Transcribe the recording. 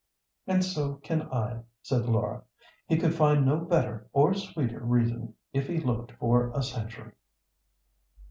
"And so can I," said Laura; "he could find no better or sweeter reason if he looked for a century."